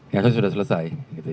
ya itu sudah selesai